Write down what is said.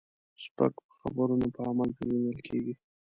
سپک په خبرو نه، په عمل پیژندل کېږي.